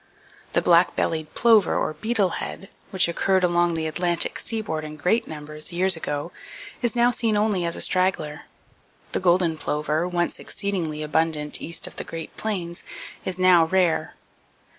The black bellied plover or beetlehead, which occurred along the Atlantic seaboard in great numbers years ago, is now seen only as a straggler. The golden plover, once exceedingly abundant east of the Great Plains, is now rare.